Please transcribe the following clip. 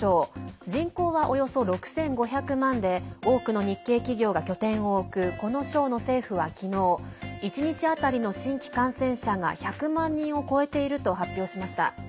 人口はおよそ６５００万で多くの日系企業が拠点を置くこの省の政府は昨日１日当たりの新規感染者が１００万人を超えていると発表しました。